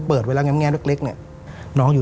เปิดไว้แล้วแง่เล็กเนี่ยน้องอยู่